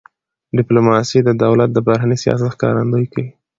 ډيپلوماسي د دولت د بهرني سیاست ښکارندویي کوي.